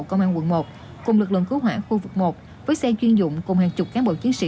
công an quận một cùng lực lượng cứu hỏa khu vực một với xe chuyên dụng cùng hàng chục cán bộ chiến sĩ